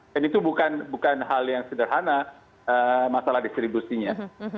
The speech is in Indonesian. dan itu bukan hal yang sederhana masalah distribusinya